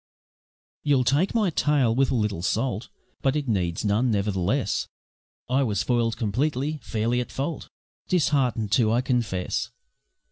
You'll take my tale with a little salt, But it needs none, nevertheless, I was foil'd completely, fairly at fault, Dishearten'd, too, I confess.